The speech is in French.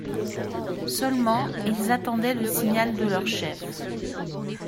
Seulement, ils attendaient le signal de leur chef.